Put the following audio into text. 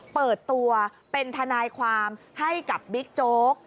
เปิดตัวเป็นทนายความให้กับบิ๊กโจ๊ก